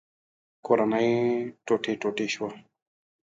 کورنۍ ټوټې ټوټې شوه.